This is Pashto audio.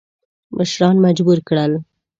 مشران مجبور کړل.